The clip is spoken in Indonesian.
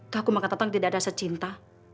aku mengatakan tidak ada aset cinta